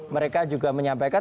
mereka juga menyampaikan